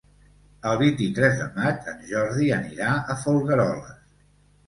El vint-i-tres de maig en Jordi anirà a Folgueroles.